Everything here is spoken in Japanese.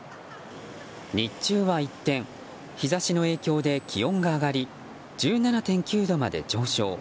日中は一転、日差しの影響で気温が上がり１７．９度まで上昇。